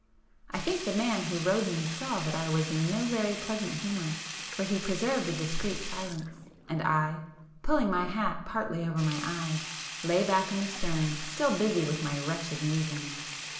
I think the man who rowed me saw that I was in no very pleasant humour, for he preserved a discreet silence,—and I, pulling my hat partly over my eyes, lay back in the stern, still busy with my wretched musings.